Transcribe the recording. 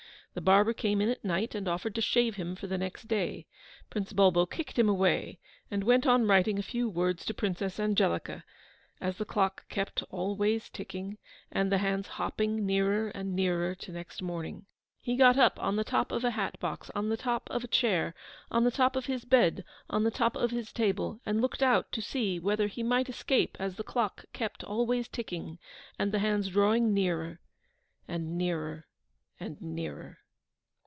The Barber came in at night, and offered to shave him for the next day. Prince Bulbo kicked him away, and went on writing a few words to Princess Angelica, as the clock kept always ticking, and the hands hopping nearer and nearer to next morning. He got up on the top of a hatbox, on the top of a chair, on the top of his bed, on the top of his table, and looked out to see whether he might escape as the clock kept always ticking and the hands drawing nearer, and nearer, and nearer.